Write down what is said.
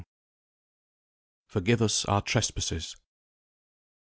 "FORGIVE US OUR TRESPASSES."